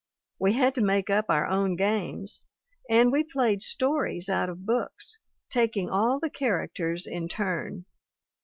We had to make up our own games, and we played stories out of books, taking all the characters in turn.